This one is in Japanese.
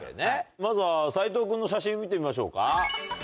まずは斎藤君の写真見てみましょうか。